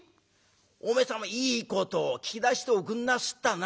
おめえさんもいいことを聞き出しておくんなすったな。